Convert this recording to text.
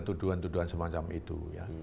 tuduhan tuduhan semacam itu ya